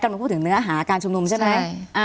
มาพูดถึงเนื้อหาการชุมนุมใช่ไหม